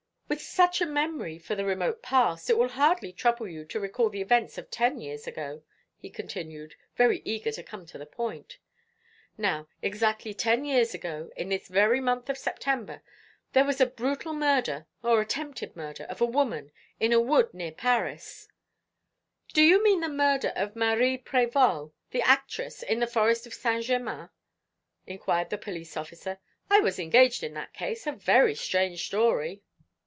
"With such a memory for the remote past, it will hardly trouble you to recall the events of ten years ago," he continued, very eager to come to the point. "Now, exactly ten years ago, in this very month of September, there was a brutal murder, or attempted murder, of a woman, in a wood near Paris " "Do you mean the murder of Marie Prévol the actress, in the forest of Saint Germain?" inquired the police officer. "I was engaged in that case. A very strange story."